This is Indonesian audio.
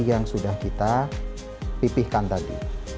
yang sudah kita pipihkan tadi